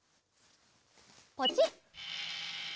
ポチッ。